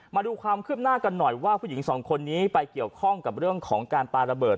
มาดูความคืบหน้ากันหน่อยว่าผู้หญิงสองคนนี้ไปเกี่ยวข้องกับเรื่องของการปลาระเบิด